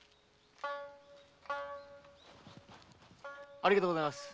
ありがとうございます。